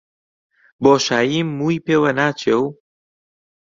بۆشاییم مووی پێوە ناچێ و